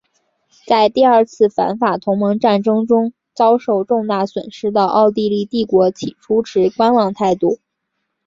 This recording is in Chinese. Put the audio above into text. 在第二次反法同盟战争中遭受重大损失的奥地利帝国起初持观望态度。